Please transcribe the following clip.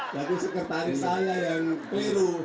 tapi sekretaris salah yang keliru